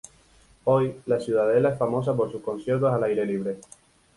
Hoy, la ciudadela es famosa por sus conciertos al aire libre.